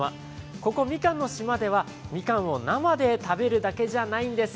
ここ、みかんの島ではみかんを生で食べるだけじゃないんです。